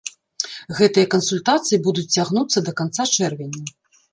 Гэтыя кансультацыі будуць цягнуцца да канца чэрвеня.